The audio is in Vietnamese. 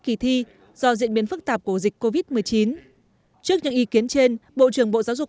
kỳ thi do diễn biến phức tạp của dịch covid một mươi chín trước những ý kiến trên bộ trưởng bộ giáo dục